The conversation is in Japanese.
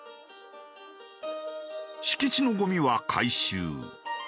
敷地のごみは回収。